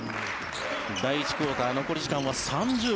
第１クオーター残り時間は３０秒。